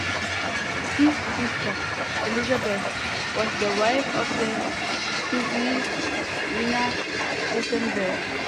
His sister, Elizabeth, was the wife of the physicist Werner Heisenberg.